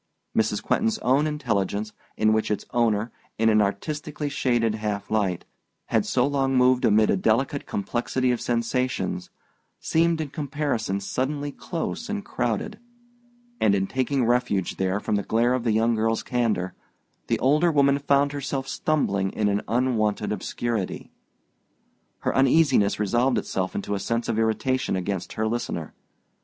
Mrs. Quentin's own intelligence, in which its owner, in an artistically shaded half light, had so long moved amid a delicate complexity of sensations, seemed in comparison suddenly close and crowded; and in taking refuge there from the glare of the young girl's candor, the older woman found herself stumbling in an unwonted obscurity. Her uneasiness resolved itself into a sense of irritation against her listener.